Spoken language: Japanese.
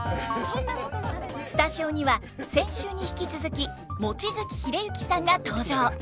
スタジオには先週に引き続き望月秀幸さんが登場。